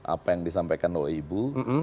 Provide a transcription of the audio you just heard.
apa yang disampaikan oleh ibu